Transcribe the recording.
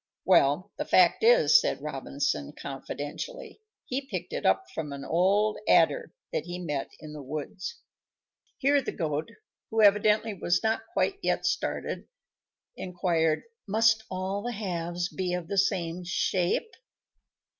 "Well, the fact is," said Robinson, confidentially, "he picked it up from an old Adder, that he met in the woods." Here the Goat, who evidently was not yet quite started, inquired, "Must all the halves be of the same shape?"